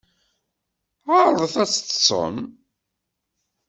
Ɛerḍet ad teṭṭsem.